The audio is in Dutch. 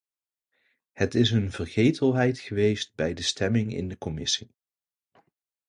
Het is een vergetelheid geweest bij de stemming in de commissie.